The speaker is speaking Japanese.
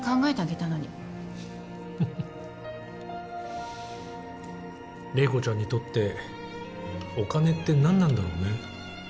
麗子ちゃんにとってお金って何なんだろうね。